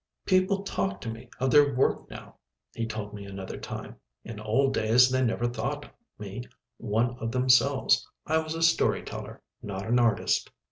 "People talk to me of their work now," he told me another time; "in old days, they never thought me one of themselves. I was a story teller, not an artist."